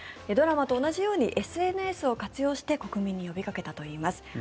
ドラマと同じようにＳＮＳを活用して国民に呼びかけたといいます。